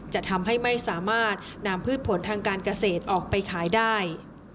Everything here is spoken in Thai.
จะทำให้ไม่สามารถนำพืชผลทางการเกษตรออกไปขายได้